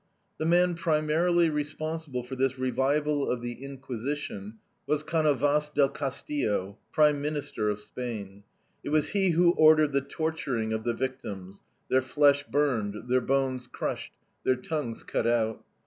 The man primarily responsible for this revival of the Inquisition was Canovas del Castillo, Prime Minister of Spain. It was he who ordered the torturing of the victims, their flesh burned, their bones crushed, their tongues cut out.